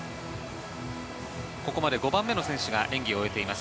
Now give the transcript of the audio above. ここまで５番目の選手が終えています。